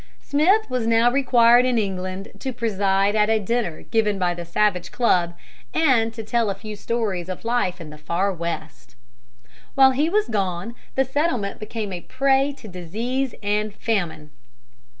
Smith was now required in England to preside at a dinner given by the Savage Club, and to tell a few stories of life in the Far West. While he was gone the settlement became a prey to disease and famine.